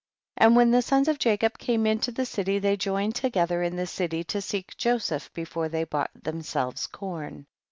12. And when the sons of Jacob came into the city, they joined toge ther in the city to seek Joseph before they bought themselves corn, 13.